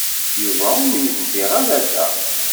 Yuba ur izdiɣ ara da.